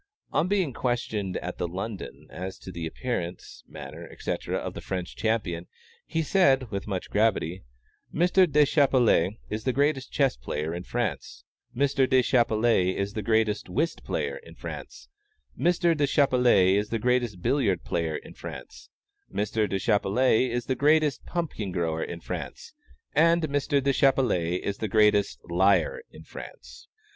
On being questioned at the "London" as to the appearance, manner, etc., of the French champion, he said, with much gravity "Mr. Deschappelles is the greatest chess player in France; Mr. Deschappelles is the greatest whist player in France; Mr. Deschappelles is the greatest billiard player in France; Mr. Deschappelles is the greatest pumpkin grower in France, and Mr. Deschappelles is the greatest liar in France."